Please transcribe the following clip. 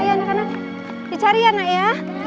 iya anak anak dicari ya nak ya